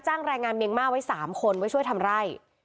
จ้างแรงงานเมียงมาไว้สามคนไว้ช่วยทำไร่